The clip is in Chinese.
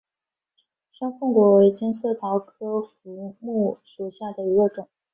山凤果为金丝桃科福木属下的一个种。